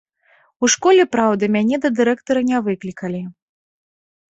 У школе, праўда, мяне да дырэктара не выклікалі.